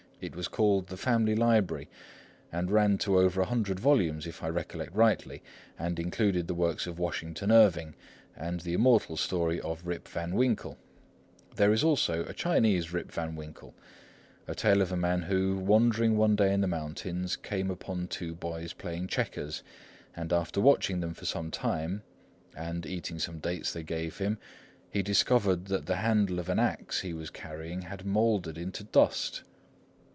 It was called The Family Library, and ran to over a hundred volumes, if I recollect rightly, and included the works of Washington Irving and the immortal story of Rip Van Winkle. There is also a Chinese Rip Van Winkle, a tale of a man who, wandering one day in the mountains, came upon two boys playing checkers; and after watching them for some time, and eating some dates they gave him, he discovered that the handle of an axe he was carrying had mouldered into dust.